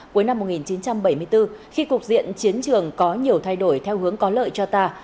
cuối năm một nghìn chín trăm bảy mươi bốn khi cục diện chiến trường có nhiều thay đổi theo hướng có lợi cho ta